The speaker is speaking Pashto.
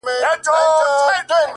ته نو اوس راسه! له دوو زړونو تار باسه!